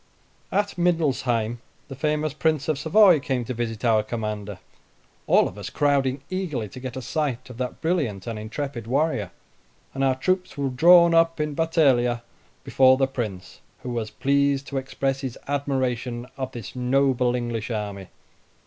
At Mindelsheim, the famous Prince of Savoy came to visit our commander, all of us crowding eagerly to get a sight of that brilliant and intrepid warrior; and our troops were drawn up in battalia before the Prince, who was pleased to express his admiration of this noble English army.